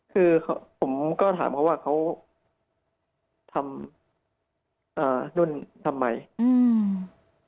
คือผมก็ถามเขาว่าเขาทำอ่านุ่นทำไมอืม